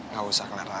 gak usah clara